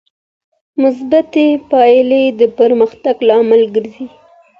مثبتې پایلې د پرمختګ لامل ګرځي.